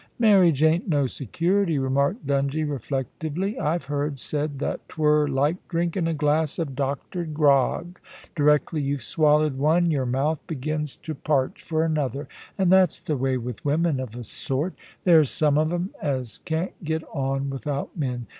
Marriage ain't no security/ remarked Dungie, reflectively. * IVe heard said that 'twur like drinking a glass of doctored grog : directly youVe swallowed one, yer mouth begins to parch for another — and that's the way with women of a sort ; there's some of 'em as can't get on without men.